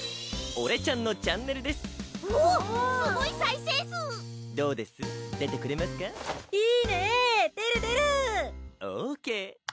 オーケー。